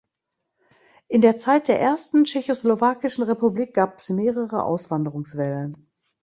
In der Zeit der ersten tschechoslowakischen Republik gab es mehrere Auswanderungswellen.